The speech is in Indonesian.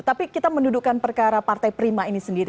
tapi kita mendudukan perkara partai prima ini sendiri